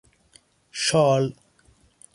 شال